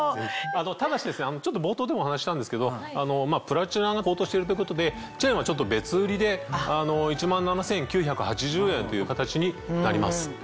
ただしちょっと冒頭でもお話ししたんですけどプラチナが高騰してるということでチェーンは別売りで１万７９８０円という形になります。